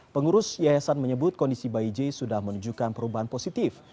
pengurus yayasan menyebut kondisi bayi j sudah menunjukkan perubahan positif